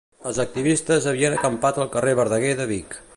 Els activistes havien acampat al carrer Verdaguer de Vic.